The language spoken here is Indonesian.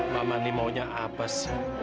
mama nih maunya apa sih